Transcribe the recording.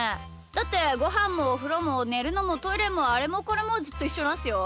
だってごはんもおふろもねるのもトイレもあれもこれもずっといっしょなんすよ。